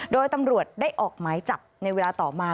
โดยตำรวจได้ออกหมายจับในเวลาต่อมา